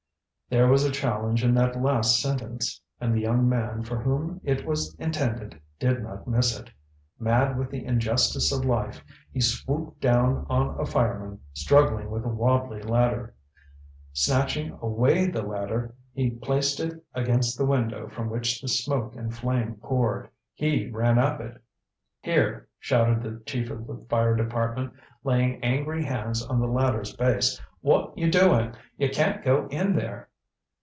There was a challenge in that last sentence, and the young man for whom it was intended did not miss it. Mad with the injustice of life, he swooped down on a fireman struggling with a wabbly ladder. Snatching away the ladder, he placed it against the window from which the smoke and flame poured. He ran up it. "Here!" shouted the chief of the fire department, laying angry hands on the ladder's base. "Wot you doing? You can't go in there."